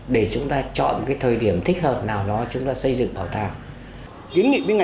để chúng ta chọn thời điểm thích hợp nào đó chúng ta xây dựng bảo tàng